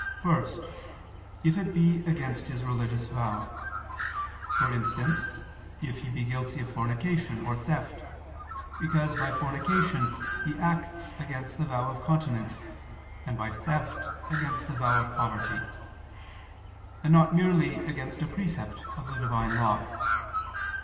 First, if it be against his religious vow; for instance if he be guilty of fornication or theft, because by fornication he acts against the vow of continence, and by theft against the vow of poverty; and not merely against a precept of the divine law.